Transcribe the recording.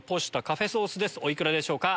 お幾らでしょうか？